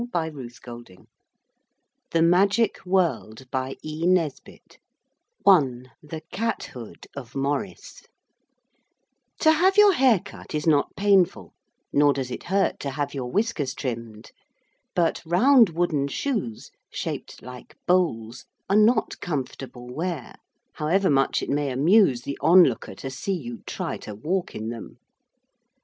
he cried desperately, and snapped at the worm 256 I THE CAT HOOD OF MAURICE To have your hair cut is not painful, nor does it hurt to have your whiskers trimmed. But round wooden shoes, shaped like bowls, are not comfortable wear, however much it may amuse the onlooker to see you try to walk in them.